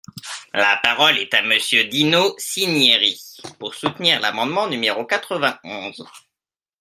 La parole est à Monsieur Dino Cinieri, pour soutenir l’amendement numéro quatre-vingt-onze.